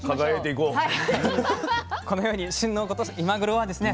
このように旬の今頃はですね